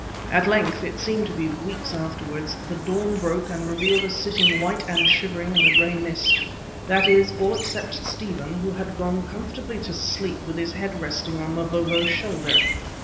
At length, it seemed to be weeks afterwards, the dawn broke and revealed us sitting white and shivering in the grey mist; that is, all except Stephen, who had gone comfortably to sleep with his head resting on Mavovo's shoulder.